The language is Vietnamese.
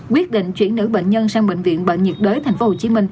quyết định chuyển nữ bệnh nhân sang bệnh viện bệnh nhiệt đới tp hcm